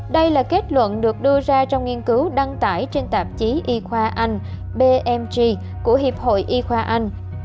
đây là kết luận được đưa ra trong nghiên cứu đăng tải trên tạp chí y khoa anh bmg của hiệp hội y khoa anh